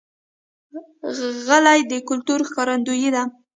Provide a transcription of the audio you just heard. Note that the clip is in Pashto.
غلۍ د کلتور ښکارندوی ده.